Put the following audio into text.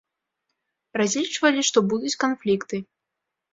Разлічвалі, што будуць канфлікты.